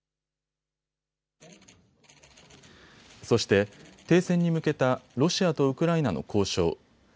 そして停戦に向けたロシアとウクライナの交渉。